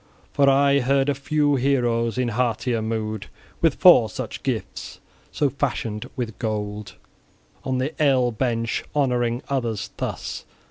For I heard of few heroes, in heartier mood, with four such gifts, so fashioned with gold, on the ale bench honoring others thus!